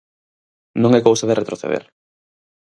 Non é cousa de retroceder.